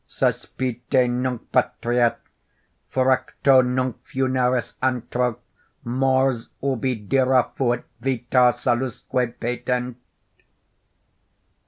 Sospite nunc patria, fracto nunc funeris antro, Mors ubi dira fuit vita salusque patent.